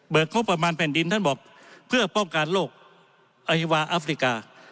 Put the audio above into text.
งบประมาณแผ่นดินท่านบอกเพื่อป้องกันโรคอฮิวาอัฟริกา